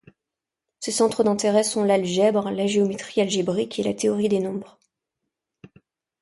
Ses centres d'intérêt sont l'algèbre, la géométrie algébrique et la théorie des nombres.